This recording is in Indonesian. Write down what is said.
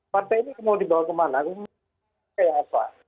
partai ini mau dibawa kemana itu yang asal